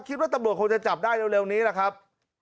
คิดว่าตำรวจคงจะจับได้เร็วนี้แหละครับ